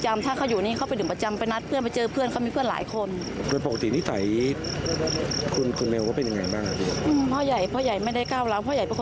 อันนี้คิดว่ามีสัตว์ตัวเหรอครับ